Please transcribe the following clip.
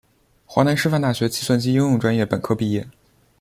华南师范大学计算机应用专业本科毕业。